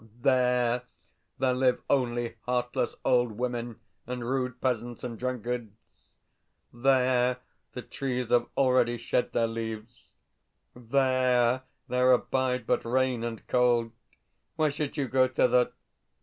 THERE there live only heartless old women and rude peasants and drunkards. THERE the trees have already shed their leaves. THERE there abide but rain and cold. Why should you go thither?